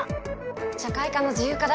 社会科の自由課題